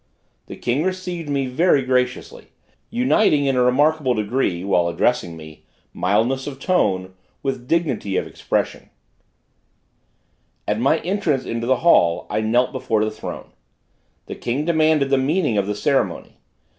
The king received me very graciously, uniting in a remarkable degree, while addressing me, mildness of tone with dignity of expression. At my entrance into the hall, I knelt before the throne: the king demanded the meaning of the ceremony.